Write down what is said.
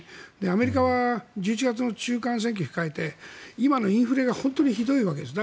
アメリカは１１月の中間選挙を控えて今のインフレが本当にひどいわけです。